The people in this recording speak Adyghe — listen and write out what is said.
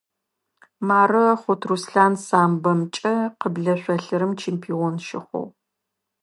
Мары Хъут Руслъан самбомкӀэ къыблэ шъолъырым чемпион щыхъугъ.